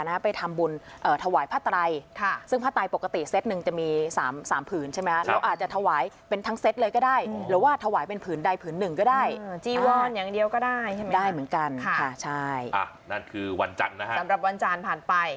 นั่นคือวันจันทร์นะครับสำหรับวันจันทร์ผ่านไป